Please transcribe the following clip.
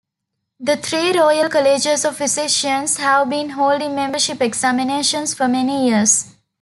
The three Royal Colleges of Physicians have been holding membership examinations for many years.